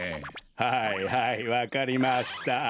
はいはいわかりました。